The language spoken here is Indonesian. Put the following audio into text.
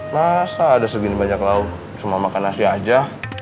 masa ada segini banyak lauk cuma makan nasi aja